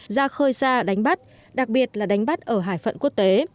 giá khơi ra đánh bắt đặc biệt là đánh bắt ở hải phận quốc tế